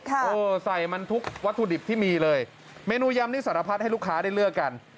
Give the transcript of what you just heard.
เออใส่มันทุกวัตถุดิบที่มีเลยเมนูยำนี่สารพัดให้ลูกค้าได้เลือกกัน